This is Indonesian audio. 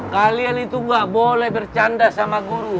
kalian itu gak boleh bercanda sama guru